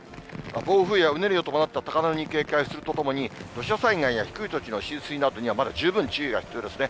暴風やうねりを伴った高波に警戒するとともに、土砂災害や低い土地の浸水などには、まだ十分な注意が必要ですね。